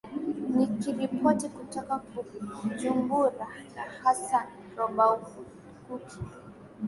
ni kiripoti kutoka bujumbura hasan robakuki